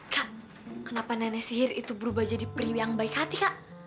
kak kenapa nenek sihir itu berubah jadi periwi yang baik hati kak